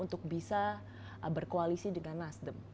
untuk bisa berkoalisi dengan nasdem